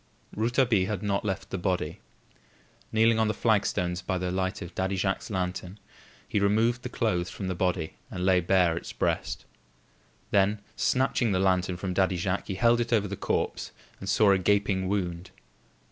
Rouletabille had not left the body. Kneeling on the flagstones by the light of Daddy Jacques's lantern he removed the clothes from the body and laid bare its breast. Then snatching the lantern from Daddy Jacques, he held it over the corpse and saw a gaping wound.